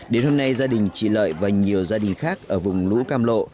đến hôm nay gia đình chị lợi và nhiều gia đình khác ở vùng lũ cam lộ